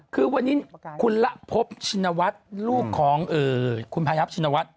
คือวันนี้คุณละพบชินวัฒน์ลูกของคุณพายับชินวัฒน์